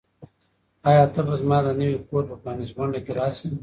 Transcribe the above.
آیا ته به زما د نوي کور په پرانیستغونډه کې راشې؟